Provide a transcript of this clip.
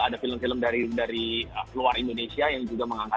ada film film dari luar indonesia yang juga mengangkat